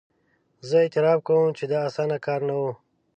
زه اعتراف کوم چې دا اسانه کار نه وو.